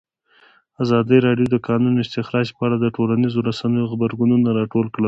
ازادي راډیو د د کانونو استخراج په اړه د ټولنیزو رسنیو غبرګونونه راټول کړي.